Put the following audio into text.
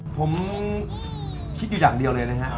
ผมคิดอยู่อย่างเดียวเลยนะครับ